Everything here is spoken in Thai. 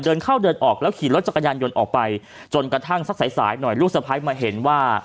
เดินเข้าเดินออกแล้วขี่รถจักรยานยนต์ออกไปจนกระทั่งสักสายสายหน่อยลูกสะพ้ายมาเห็นว่า